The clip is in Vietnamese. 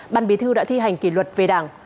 ban bí thư đã thi hành kỷ luật về đảng